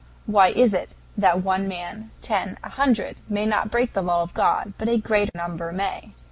Why is it that one man, ten, a hundred, may not break the law of God, but a great number may?"